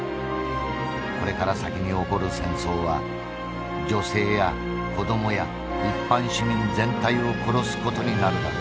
これから先に起こる戦争は女性や子どもや一般市民全体を殺す事になるだろう。